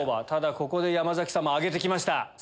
ここで山さんも挙げてきました。